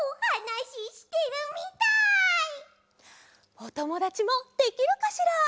おともだちもできるかしら？